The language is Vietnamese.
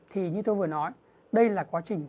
thì như tôi vừa nói đây là quá trình